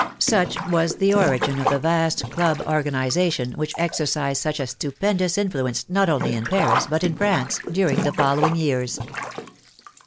Such was the origin of the vast club organization, which exercised such a stupendous in fluence not only in Paris, but in France, during the fol lowing years.